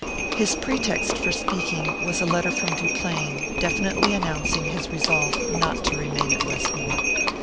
His pretext for speaking was a letter from Duplain, definitely announcing his resolve not to remain at Westmore.